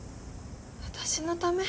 私のため？